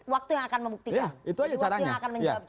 waktu yang akan membuktikan itu aja caranya